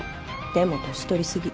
でも年取りすぎ。